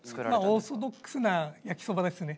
オーソドックスな焼きそばですね。